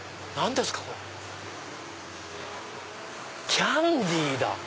キャンディーだ。